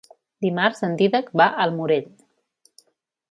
Dimarts en Dídac va al Morell.